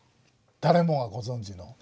誰もがご存じの。